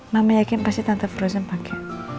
mama yakin pasti tante frozen pakai